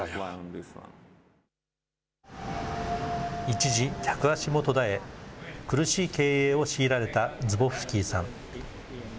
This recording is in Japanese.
一時、客足も途絶え、苦しい経営を強いられたズボフスキーさん。